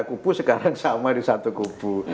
kubu sekarang sama di satu kubu